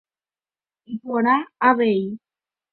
Iporã avei.